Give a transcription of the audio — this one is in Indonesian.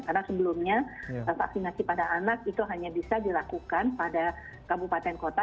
karena sebelumnya vaksinasi pada anak itu hanya bisa dilakukan pada kabupaten kota